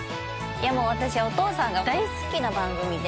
いやもう私お父さんが大好きな番組で。